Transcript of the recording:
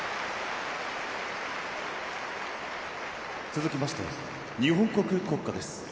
続きまして日本国国歌です。